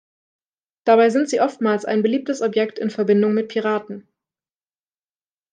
Dabei sind sie oftmals ein beliebtes Objekt in Verbindung mit Piraten.